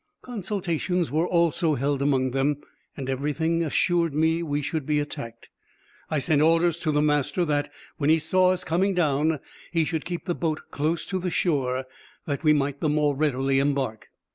Consultations were also held among them, and everything assured me we should be attacked. I sent orders to the master that, when he saw us coming down, he should keep the boat close to the shore, that we might the more readily embark.